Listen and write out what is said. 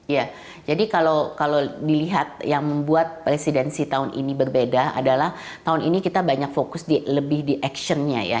ya jadi kalau dilihat yang membuat presidensi tahun ini berbeda adalah tahun ini kita banyak fokus lebih di action nya ya